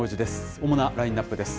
主なラインナップです。